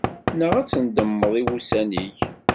Neɣ ad tendemmeḍ i wussan-ik.